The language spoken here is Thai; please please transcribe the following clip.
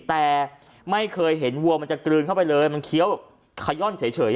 แต่ไม่เคยเห็นวัวมันจะกลืนเข้าไปเลยมันเคี้ยวขย่อนเฉย